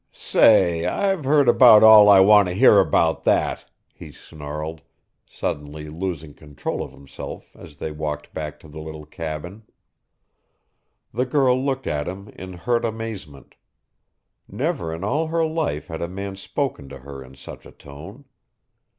"Say, I've heard about all I want to hear about that!" he snarled, suddenly losing control of himself as they walked back to the little cabin. The girl looked at him in hurt amazement. Never in all her life had a man spoken to her in such a tone.